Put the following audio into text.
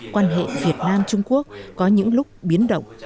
quan hệ việt nam trung quốc có những lúc biến động